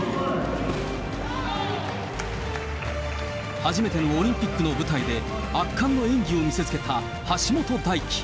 初めてのオリンピックの舞台で、圧巻の演技を見せつけた橋本大輝。